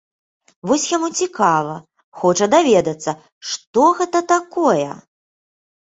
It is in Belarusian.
Вось яму цікава, хоча даведацца, што гэта такое.